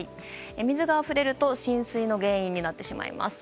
水があふれると浸水の原因になってしまいます。